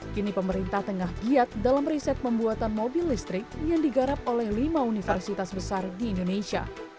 kini pemerintah tengah giat dalam riset pembuatan mobil listrik yang digarap oleh lima universitas besar di indonesia